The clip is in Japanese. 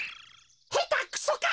へたくそか！